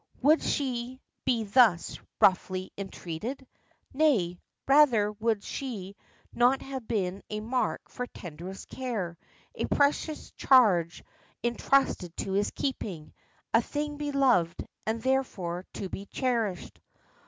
Would she be thus roughly entreated? Nay, rather would she not have been a mark for tenderest care, a precious charge entrusted to his keeping. A thing beloved and therefore to be cherished.